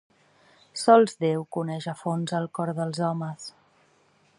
Sols Déu coneix a fons el cor dels homes.